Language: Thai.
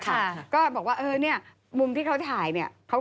เขาบอกดีนะไม่มีใครแย่งไอ้จ้อยของเรา